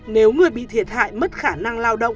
nếu người bị thiệt hại mất khả năng